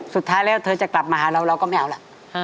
สุดท้ายแล้วเธอจะกลับมาหาเราเราก็ไม่เอาล่ะ